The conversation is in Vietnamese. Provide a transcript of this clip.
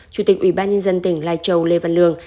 chủ tịch ubnd tỉnh lai châu lê văn lương